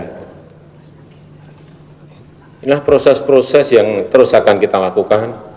inilah proses proses yang terus akan kita lakukan